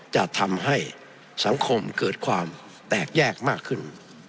จะทำให้สังคมเกิดความแตกแยกมากขึ้น